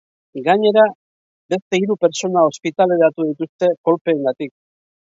Gainera, beste hiru pertsona ospitaleratu dituzte, kolpeengatik.